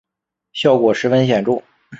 效果十分显著